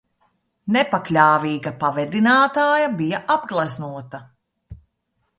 Nepakļāvīga pavedinātāja bija apgleznota.